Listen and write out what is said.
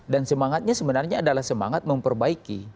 dan semangatnya sebenarnya adalah semangat memperbaiki